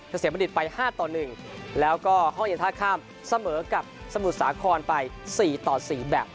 เสียบัณฑิตไป๕ต่อ๑แล้วก็ห้องเย็นท่าข้ามเสมอกับสมุทรสาครไป๔ต่อ๔แบบ